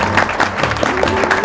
selamat ya sayang